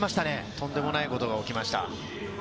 とんでもないことが起きました。